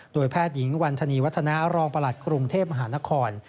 โดยแพทย์หญิงวันธนีวัฒนารองประหลัดกรุงเทพมหานคร